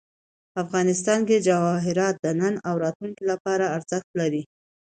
افغانستان کې جواهرات د نن او راتلونکي لپاره ارزښت لري.